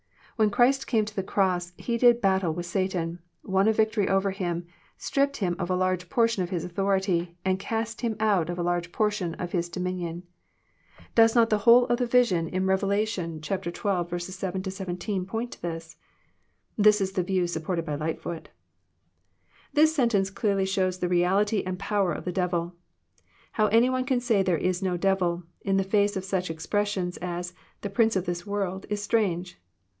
When Christ came to the cross He did battle with Satao, won a victory over him, stripped him of a large portion of his authority, and cast him out of a large portion of his do minion. Does not the whole of the vision in Rev. xii. 7 — 17, point to this ? This view is supported by Lightfoot. This sentence shows clearly the reality and power of the devil. How any one can say there is no devil, in the. face of such expressions as " the prince of this world," is strange.